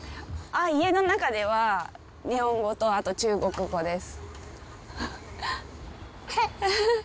家の中では日本語とあと中国語です。